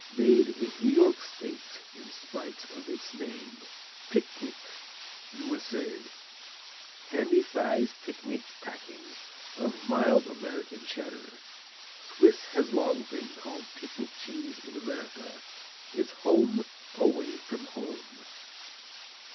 Made in New York State in spite of its name. Picnic U.S.A. Handy size picnic packing of mild American Cheddar. Swiss has long been called picnic cheese in America, its home away from home.